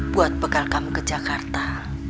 buat bekal kamu ke jakarta